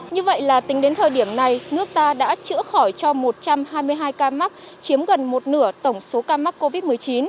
như vậy là tính đến thời điểm này nước ta đã chữa khỏi cho một trăm hai mươi hai ca mắc chiếm gần một nửa tổng số ca mắc covid một mươi chín